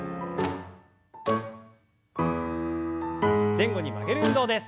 前後に曲げる運動です。